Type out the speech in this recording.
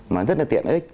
mà rất tiện ích